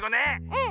うん！